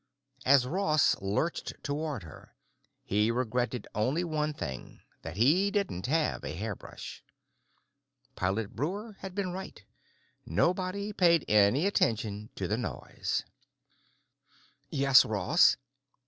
As Ross lurched toward her he regretted only one thing: that he didn't have a hairbrush. Pilot Breuer had been right. Nobody paid any attention to the noise. "Yes, Ross."